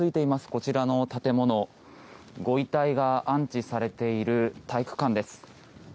こちらの建物ご遺体が安置されている体育館です。